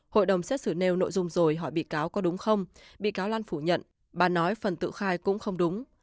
hội đồng xét xử nêu nội dung rồi hỏi bị cáo có đúng không bị cáo lan phủ nhận bà nói phần tự khai cũng không đúng